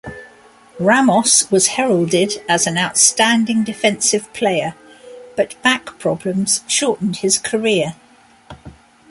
Ramos was heralded as an outstanding defensive player, but back problems shortened his career.